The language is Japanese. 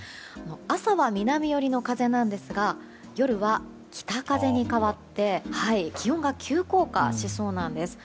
朝は南寄りの風なんですが夜は北風に変わって気温が急降下しそうなんです。